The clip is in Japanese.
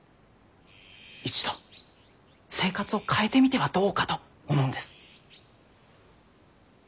一度生活を変えてみてはどうかと思うんです。